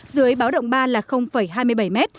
dưới báo động ba là hai mươi bảy m